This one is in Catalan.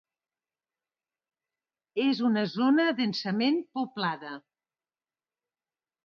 És una zona densament poblada.